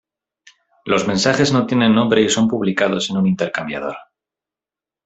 Los mensajes no tienen nombre y son publicados en un intercambiador.